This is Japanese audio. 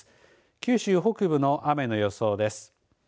九州北部の雨の予想です。